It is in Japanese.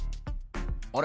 「あれ？